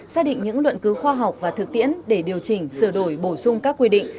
xác định những luận cứu khoa học và thực tiễn để điều chỉnh sửa đổi bổ sung các quy định